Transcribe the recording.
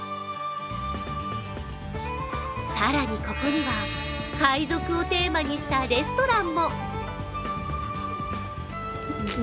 更に、ここには海賊をテーマにしたレストランも。